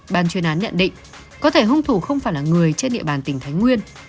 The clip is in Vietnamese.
bàn truyền án nhận định có thể hung thủ không phải là người trên địa bàn tỉnh thái nguyên